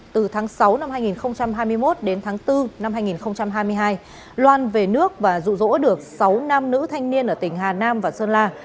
từ tháng sáu năm hai nghìn hai mươi một đến tháng bốn năm hai nghìn hai mươi hai loan về nước và rụ rỗ được sáu nam nữ thanh niên ở tỉnh hà nam và sơn la